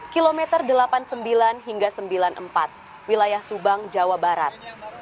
kilometer delapan puluh sembilan hingga sembilan puluh empat wilayah subang jawa barat